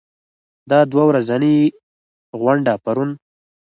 دا دوه ورځنۍ غونډه پرون